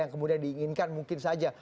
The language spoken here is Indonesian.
yang kemudian diinginkan mungkin saja